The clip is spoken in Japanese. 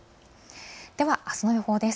では、あすの予報です。